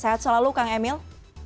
sehat selalu kang emil